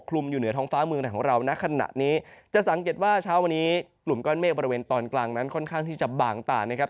และสังเกตว่าเช้าวันนี้กลุ่มก้อนเมฆบริเวณตอนกลางนั้นค่อนข้างที่จะบางต่างนะครับ